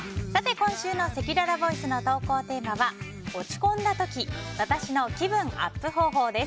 今週のせきららボイスの投稿テーマは落ち込んだ時私の気分アップ方法です。